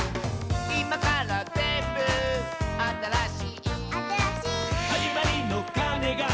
「いまからぜんぶあたらしい」「あたらしい」「はじまりのかねが」